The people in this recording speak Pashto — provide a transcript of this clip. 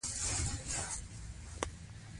خو په فبروري میاشت کې هوا ډېره ښه وه.